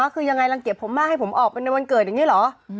คือยังไงรังเกียจผมมากให้ผมออกไปในวันเกิดอย่างนี้เหรอ